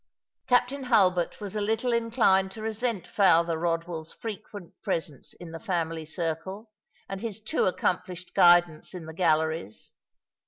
Captain Hulbert was a little inclined to resent Father Eodwell's frequent presence in the family circle, and his too accomplished guidance in the galleries.